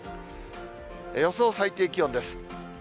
予想最低気温です。